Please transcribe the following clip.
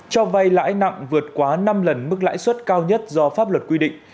cho vay lãi nặng vượt quá năm lần mức lãi suất cao nhất do pháp luật quy định